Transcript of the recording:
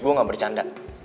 gue gak bercanda